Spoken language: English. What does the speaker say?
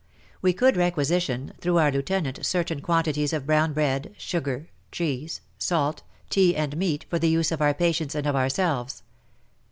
We could requisition, through our lieutenant, certain quantities of brown bread, sugar, cheese, salt, tea and meat for the use of our patients and of ourselves.